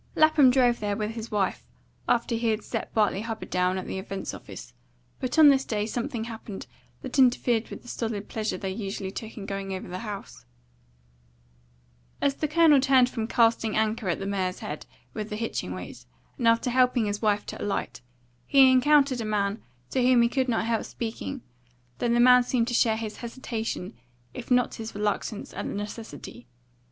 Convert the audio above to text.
Lapham drove there with his wife after he had set Bartley Hubbard down at the Events office, but on this day something happened that interfered with the solid pleasure they usually took in going over the house. As the Colonel turned from casting anchor at the mare's head with the hitching weight, after helping his wife to alight, he encountered a man to whom he could not help speaking, though the man seemed to share his hesitation if not his reluctance at the necessity.